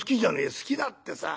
「好きだってさ。